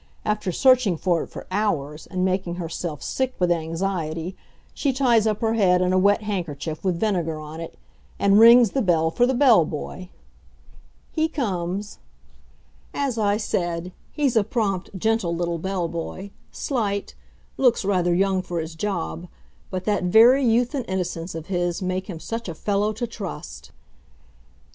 after searching for it for hours and making herself sick with anxiety, she ties up her head in a wet handkerchief with vinegar on it and rings the bell for the bell boy! He comes. As I said, he's a prompt, gentle little bell boy, slight, looks rather young for his job, but that very youth and innocence of his make him such a fellow to trust!